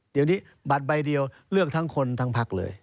เดี๋ยวนี้บัตรใบเดียวเลือกทั้งคนทั้งพักเลย